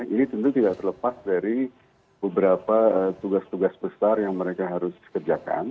ini tentu tidak terlepas dari beberapa tugas tugas besar yang mereka harus kerjakan